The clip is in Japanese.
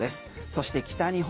そして北日本。